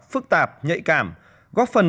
phức tạp nhạy cảm góp phần